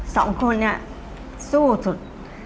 สองคนเนี่ยสู้สุด